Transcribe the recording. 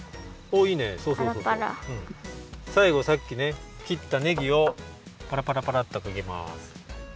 さいごさっきねきったネギをパラパラパラッとかけます。